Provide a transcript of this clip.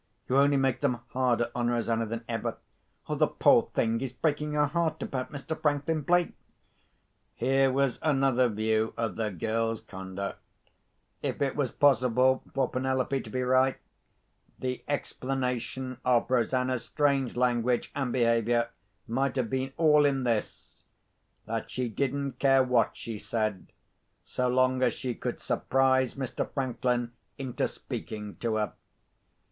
"You only make them harder on Rosanna than ever. The poor thing is breaking her heart about Mr. Franklin Blake." Here was another view of the girl's conduct. If it was possible for Penelope to be right, the explanation of Rosanna's strange language and behaviour might have been all in this—that she didn't care what she said, so long as she could surprise Mr. Franklin into speaking to her.